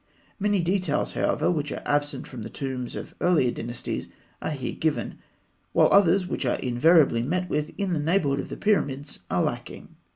Many details, however, which are absent from tombs of the earlier dynasties are here given, while others which are invariably met with in the neighbourhood of the pyramids are lacking.